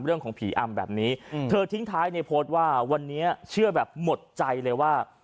เรื่องของผีอำแบบนี้เธอทิ้งท้ายในโพสต์ว่าวันนี้เชื่อแบบหมดใจเลยว่า